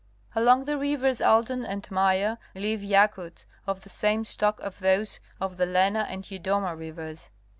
Along the rivers Aldan and Maia live Yakuts of the same stock as those of the Lena and Yudoma rivers.